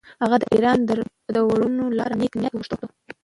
هغه د ایران د وروڼو لپاره نېک نیت وغوښت.